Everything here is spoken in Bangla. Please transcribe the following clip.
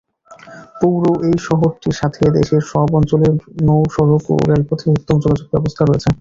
পৌর এই শহরটির সাথে দেশের সব অঞ্চলের নৌ-সড়ক ও রেলপথে উত্তম যোগাযোগ ব্যবস্থা রয়েছে।